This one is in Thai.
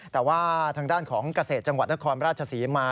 แต่ว่าทางด้านของเกษตรจังหวัดนครราชศรีมา